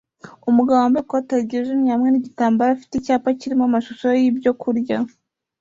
Umugabo wambaye ikoti ryijimye hamwe nigitambara afite icyapa kirimo amashusho yibyo kurya